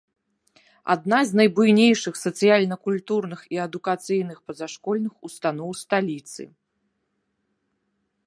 Адна з найбуйнейшых сацыяльна-культурных і адукацыйных пазашкольных устаноў сталіцы.